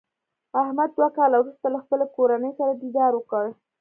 احمد دوه کاله ورسته له خپلې کورنۍ سره دیدار وکړ.